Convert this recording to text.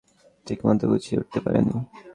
কিছু মনে কোরো না তোমরা, ঠিকমত গুছিয়ে উঠতে পারিনি।